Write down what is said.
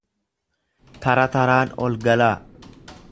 Tara taraan ol galaa.